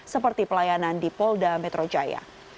seperti pelayanan di polda metro jaya